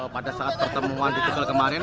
pada saat pertemuan di tukul kemarin